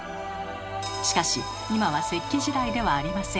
しかし今は石器時代ではありません。